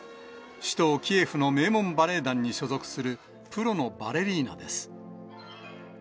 首都キエフの名門バレエ団に所属するプロのバレリーナです。